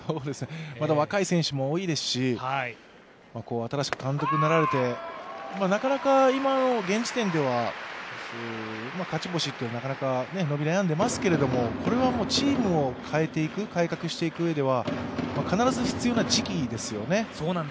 まだ若い選手も多いですし、新しく監督になられてなかなか今の現時点では勝ち星はなかなか伸び悩んでいますがこれはチームを変えていく改革していく上では必ず必要な時期ですよね。